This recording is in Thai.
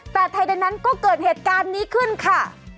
แต่ไทยดังนั้นก็เกิดเหตุการณ์นี้ขึ้นค่ะ